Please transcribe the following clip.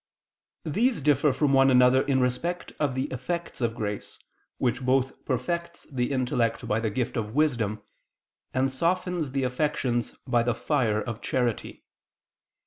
These differ from one another in respect of the effects of grace, which both perfects the intellect by the gift of wisdom, and softens the affections by the fire of charity.